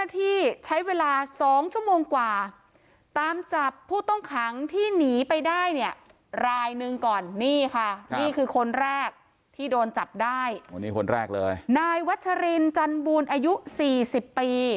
ที่โดนจับได้อันนี้คนแรกเลยนายวัชรินจันบูรณ์อายุสี่สิบปี